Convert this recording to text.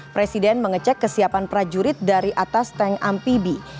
presiden mengecek kesiapan prajurit dari atas tank amfibi